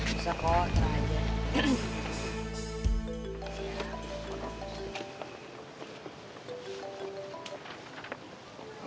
bisa kok terakhir